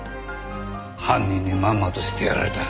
犯人にまんまとしてやられた。